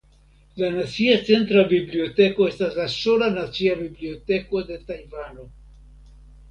La Nacia Centra Biblioteko estas la sola nacia biblioteko de Tajvano.